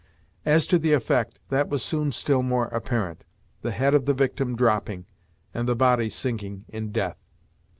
As to the effect, that was soon still more apparent, the head of the victim dropping, and the body sinking in death.